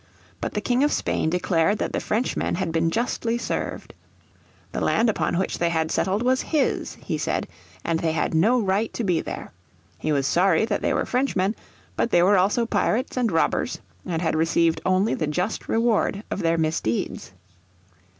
But the King of Spain declared that the Frenchmen had been justly served. The land upon which they had settled was his, he said, and they had no right to be there. He was sorry that they were Frenchmen, but they were also pirates and robbers, and had received only the just reward of their misdeeds.